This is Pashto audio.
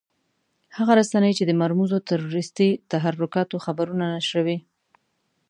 هغه رسنۍ چې د مرموزو تروريستي تحرکاتو خبرونه نشروي.